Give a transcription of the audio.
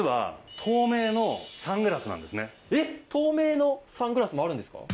これ実はえっ透明のサングラスもあるんですか？